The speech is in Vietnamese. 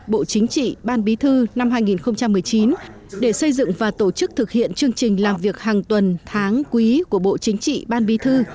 bộ chính trị ban bí thư năm hai nghìn một mươi chín để xây dựng và tổ chức thực hiện chương trình làm việc hàng tuần tháng quý của bộ chính trị ban bí thư